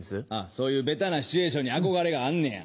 そういうベタなシチュエーションに憧れがあんねや。